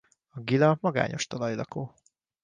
A gila magányos talajlakó.